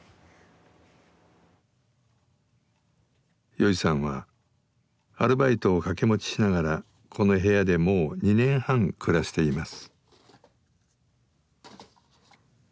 よいさんはアルバイトを掛け持ちしながらこの部屋でもう２年半暮らしています。